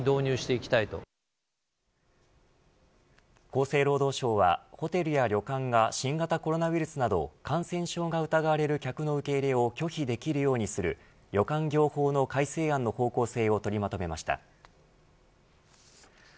厚生労働省はホテルや旅館が新型コロナウイルスなど感染症が疑われる客の受け入れを拒否できるようにする旅館業法の改正案の方向性を取りまとめました。